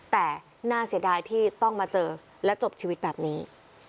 แต่น่าเสียดายที่ต้องมาเจอและจบชีวิตแบบนี้